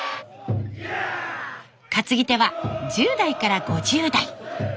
担ぎ手は１０代から５０代。